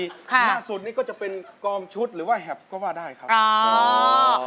ล่าสุดนี่ก็จะเป็นกองชุดหรือว่าแหบก็ว่าได้ครับอ่า